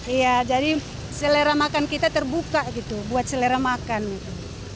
iya jadi selera makan kita terbuka gitu buat selera makan gitu